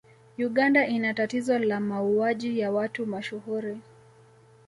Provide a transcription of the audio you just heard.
Uganda ina tatizo la mauwaji ya watu mashuhuri